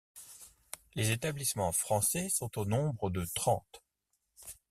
Les établissements français sont au nombre de trente.